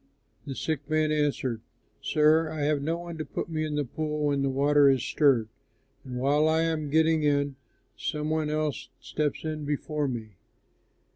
The sick man answered, "Sir, I have no one to put me in the pool when the water is stirred, and while I am getting in, some one else steps in before me."